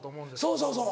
そうそうそう。